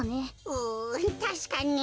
うたしかに。